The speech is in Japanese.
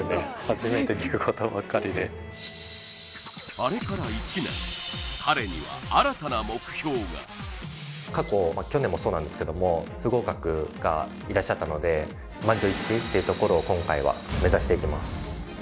あれから１年彼には過去去年もそうなんですけども不合格がいらっしゃったので満場一致っていうところを今回は目指していきます